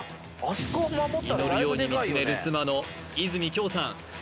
祈るように見つめる妻の和泉杏さん